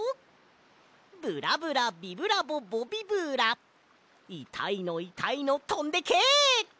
ブラブラビブラボボビブラいたいのいたいのとんでけ！